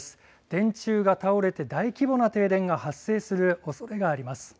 電柱が倒れて大規模な停電が発生するおそれがあります。